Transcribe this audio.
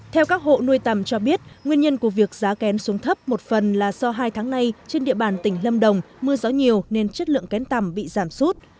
theo các hộ nuôi tầm cho biết nguyên nhân của việc giá kén xuống thấp một phần là do hai tháng nay trên địa bàn tỉnh lâm đồng mưa gió nhiều nên chất lượng kén tầm bị giảm sút